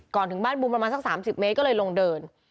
ถึงบ้านบุมประมาณสัก๓๐เมตรก็เลยลงเดิน